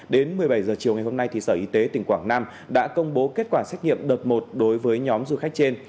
đến một mươi bảy h chiều ngày hôm nay sở y tế tỉnh quảng nam đã công bố kết quả xét nghiệm đợt một đối với nhóm du khách trên